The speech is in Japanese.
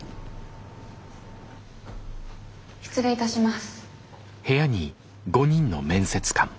失礼いたします。